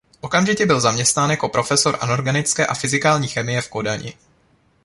Okamžitě byl zaměstnán jako profesor anorganické a fyzikální chemie v Kodani.